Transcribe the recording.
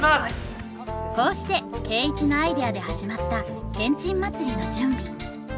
こうして圭一のアイデアで始まったけんちん祭りの準備。